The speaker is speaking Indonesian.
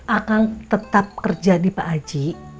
akan tetap kerja di pak aji